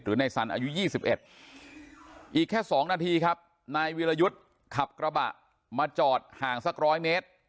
ในสันอายุ๒๑อีกแค่๒นาทีครับนายวิรยุทธ์ขับกระบะมาจอดห่างสัก๑๐๐เมตร